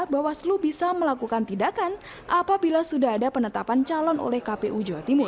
bawaslu bisa melakukan tindakan apabila sudah ada penetapan calon oleh kpu jawa timur